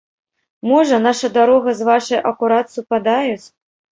Можа, наша дарога з вашай акурат супадаюць?